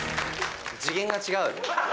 次元が違う。